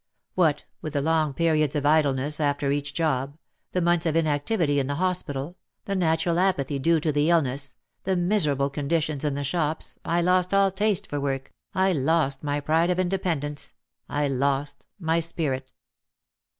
What with the long periods of idleness after each job, the months of inactivity in the hospital, the natural apathy due to the illness, the miserable conditions in the shops, I lost all taste for work, I lost my pride of independence, I lost my spirit.